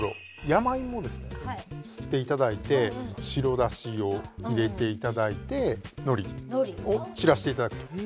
山芋をですねすっていただいて白だしを入れていただいてのりを散らしていただくと。